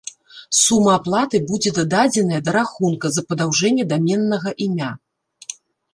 Сума аплаты будзе дададзеная да рахунка за падаўжэнне даменнага імя.